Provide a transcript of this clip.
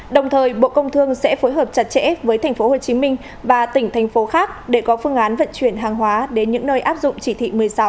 đồng thời bộ công thương sẽ phối hợp chặt chẽ với tp hcm và tỉnh thành phố khác để có phương án vận chuyển hàng hóa đến những nơi áp dụng chỉ thị một mươi sáu